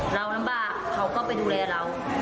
ลำบากเขาก็ไปดูแลเรา